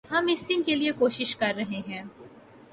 ہم اس دن کے لئے کوشش کررہے ہیں